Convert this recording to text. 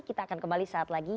kita akan kembali saat lagi